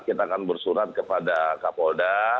kita akan bersurat kepada kapolda